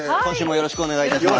よろしくお願いします。